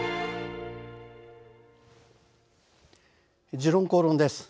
「時論公論」です。